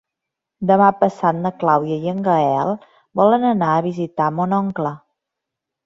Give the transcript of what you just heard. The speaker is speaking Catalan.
Demà passat na Clàudia i en Gaël volen anar a visitar mon oncle.